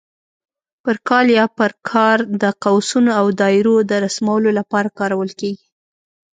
پر کال یا پر کار د قوسونو او دایرو د رسمولو لپاره کارول کېږي.